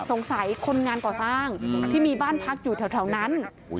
สงสัยคนงานก่อสร้างที่มีบ้านพักอยู่แถวนั้น